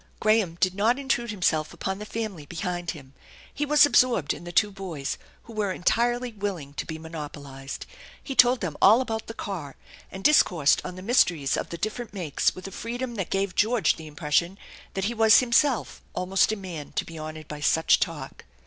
Graham did not intrude himself upon the family behind him. He was absorbed in the two boys, who were entirely willing to be monopolized. He told them all about the car, and discoursed on the mysteries of the different makes with a freedom that gave George the impression that he was himself almost a man to be honored by such talk.